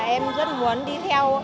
em rất muốn đi theo